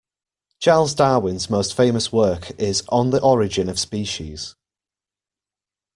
Charles Darwin's most famous work is On the Origin of Species.